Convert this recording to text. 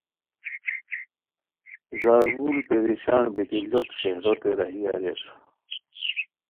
زارگل پریشان بیتی لوٹ شہروتین راہی ہوئے